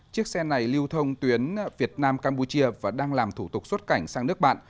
chiếc xe này lưu thông tuyến việt nam campuchia và đang làm thủ tục xuất cảnh sang nước bạn